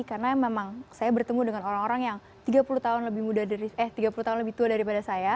karena memang saya bertemu dengan orang orang yang tiga puluh tahun lebih muda dari eh tiga puluh tahun lebih muda dari saya